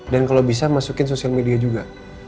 dan kalau bisa masukin sosial media juga